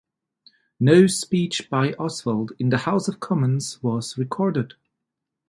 No speech by Oswald in the House of Commons was recorded.